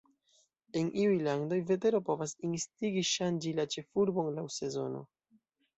En iu landoj, vetero povas instigi ŝanĝi la ĉefurbon laŭ sezono.